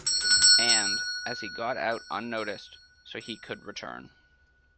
And, as he got out unnoticed, so he could return.